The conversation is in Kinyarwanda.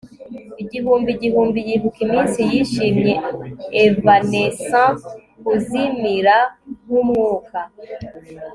Igihumbi igihumbi yibuka iminsi yishimye evanescent kuzimira nkumwuka